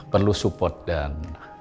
perlu support dan